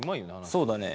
そうだね。